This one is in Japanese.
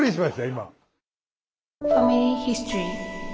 今。